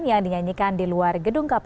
yang dinyanyikan di luar gedung kpk